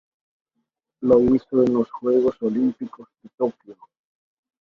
Lo hizo en los Juegos Olímpicos de Tokio.